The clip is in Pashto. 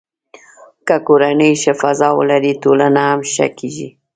که کورنۍ ښه فضا ولري، ټولنه هم ښه کېږي.